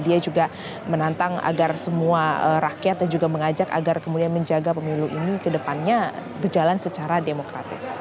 dia juga menantang agar semua rakyat dan juga mengajak agar kemudian menjaga pemilu ini ke depannya berjalan secara demokratis